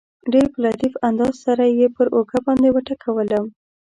ډېر په لطیف انداز سره یې پر اوږه باندې وټکولم.